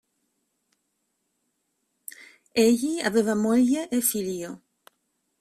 Egli aveva moglie e figlio.